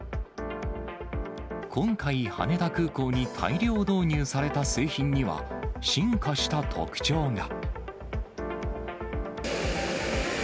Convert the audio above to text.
今回、羽田空港に大量導入された製品には、進化した特徴が。